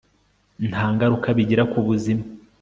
nta ngaruka bigira kubuzima